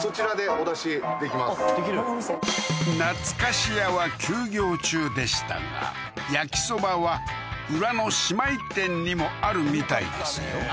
あっできるんやなつかし屋は休業中でしたが焼きそばは裏の姉妹店にもあるみたいですよ